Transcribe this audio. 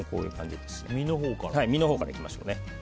身のほうからいきましょう。